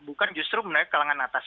bukan justru menaik ke kalangan atas